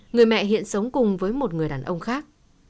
người mẹ hiện sống cùng với một người đàn ông khác